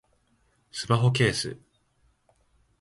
スマホケース